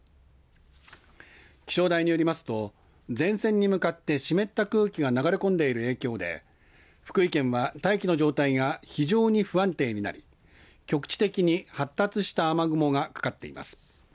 気象台によりますと前線に向かって湿った空気が流れ込んでいる影響で福井県は大気の状態が非常に不安定になり局地的に発達した雨雲がかかっています。